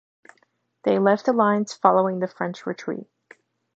They left the lines, following the French retreat.